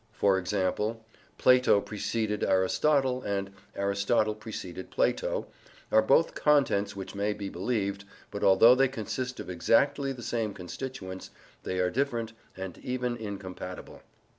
For example, "Plato preceded Aristotle" and "Aristotle preceded Plato" are both contents which may be believed, but, although they consist of exactly the same constituents, they are different, and even incompatible.